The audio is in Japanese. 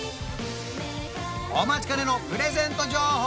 お待ちかねのプレゼント情報